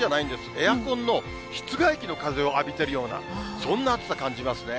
エアコンの室外機の風を浴びているような、そんな暑さ感じますね。